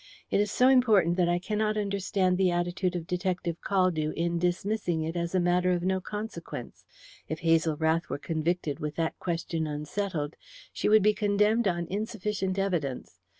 It is so important that I cannot understand the attitude of Detective Caldew in dismissing it as a matter of no consequence. If Hazel Rath were convicted with that question unsettled, she would be condemned on insufficient evidence.